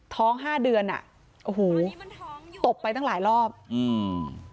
ห้าเดือนอ่ะโอ้โหตบไปตั้งหลายรอบอืม